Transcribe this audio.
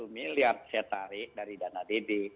delapan satu miliar saya tarik dari dana dd